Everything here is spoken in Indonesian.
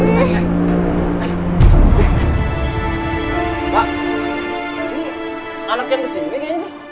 anak yang kesini kayaknya nih